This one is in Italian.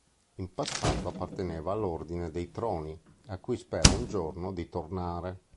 In passato apparteneva all'ordine dei Troni, a cui spera un giorno di tornare.